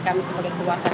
kami sebagai keluarga